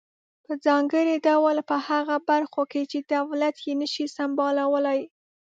په ځانګړي ډول په هغه برخو کې چې دولت یې نشي سمبالولای.